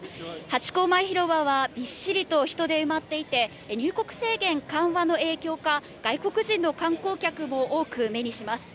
ハチ公前広場は、びっしりと人で埋まっていて、入国制限緩和の影響か、外国人の観光客も多く目にします。